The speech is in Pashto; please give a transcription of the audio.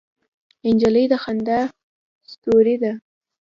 نجلۍ د خندا ستورې ده.